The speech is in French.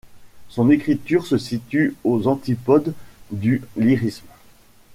Son écriture se situe aux antipodes du lyrisme.